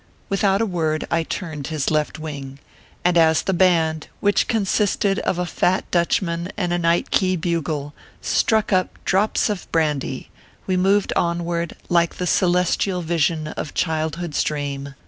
Without a word, I turned his left wing ; and as the band, which consisted of a fat Dutchman and a night key bugle, struck up " Drops of Brandy/ we moved onward, like the celestial vision of childhood s dream.